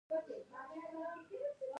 ملت باید خپل درد ومني.